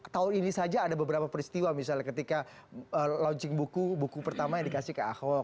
tahun ini saja ada beberapa peristiwa misalnya ketika launching buku buku pertama yang dikasih ke ahok